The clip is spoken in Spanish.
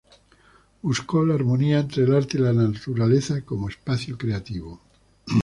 Buscó la armonía entre el arte y la naturaleza como espacio creativo.